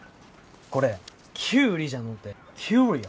これキュウリじゃのうてキュウリオ。